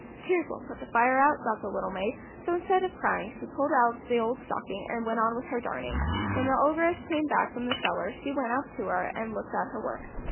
"Tears won't put the fire out," thought the little maid. So instead of crying she pulled out the old stocking, and went on with her darning. When the Ogress came back from the cellar she went up to her and looked at her work.